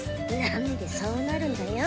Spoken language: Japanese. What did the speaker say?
何でそうなるんだよ。